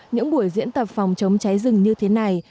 những buổi diễn tập phòng chống cháy rừng như thế này